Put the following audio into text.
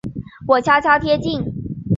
我悄悄贴近